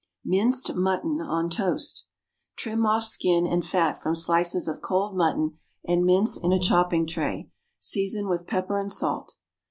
Minced Mutton on Toast. Trim off skin and fat from slices of cold mutton and mince in a chopping tray. Season with pepper and salt.